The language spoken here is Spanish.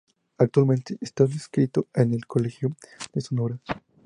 Actualmente está adscrito a El Colegio de Sonora.